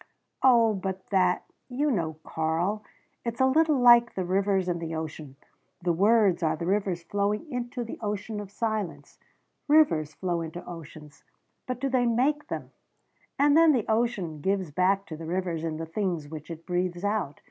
"Oh, but that you know, Karl, it's a little like the rivers and the ocean. The words are the rivers flowing into the ocean of silence. Rivers flow into oceans but do they make them? And then the ocean gives back to the rivers in the things which it breathes out.